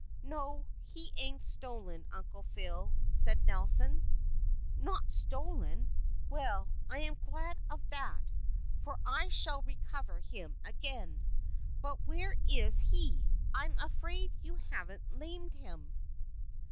"No, he ain't stolen, Uncle Phile," said Nelson. "Not stolen! Well, I am glad of that, for I shall recover him again; but where is he? I am afraid you have lamed him."